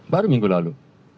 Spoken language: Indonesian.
baru minggu lalu